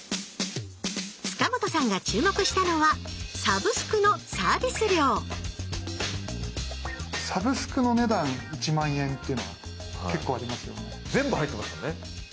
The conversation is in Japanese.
塚本さんが注目したのはサブスクのサービス料サブスクの値段１万円っていうのが結構ありますよね？